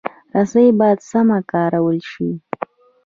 رسۍ باید سمه کارول شي.